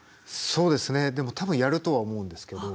そうですねでも多分やるとは思うんですけど。